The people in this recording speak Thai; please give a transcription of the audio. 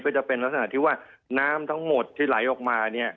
ก็จะเป็นลักษณะที่ว่าน้ำทั้งหมดที่ไหลออกมาเนี่ย